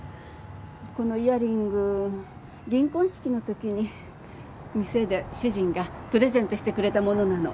このイヤリング銀婚式のときに店で主人がプレゼントしてくれたものなの。